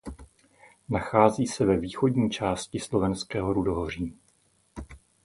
Nachází se ve východní části Slovenského rudohoří.